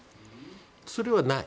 それはない。